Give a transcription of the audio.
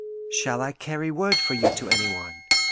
"Shall I carry word for you to any one?"